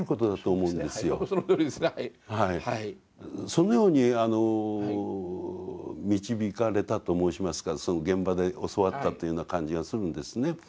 そのように導かれたと申しますかその現場で教わったというような感じがするんですね。